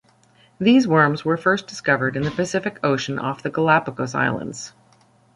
These worms were first discovered in the Pacific Ocean off the Galapagos Islands.